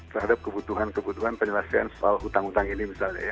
terhadap kebutuhan kebutuhan penyelesaian soal utang utang ini misalnya ya